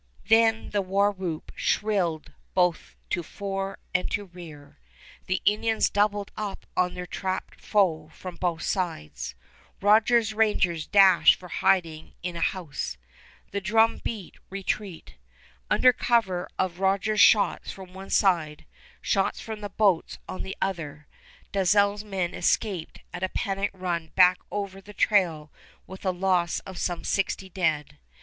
Then the war whoop shrilled both to fore and to rear. The Indians doubled up on their trapped foe from both sides. Rogers' Rangers dashed for hiding in a house. The drum beat retreat. Under cover of Rogers' shots from one side, shots from the boats on the other, Dalzell's men escaped at a panic run back over the trail with a loss of some sixty dead.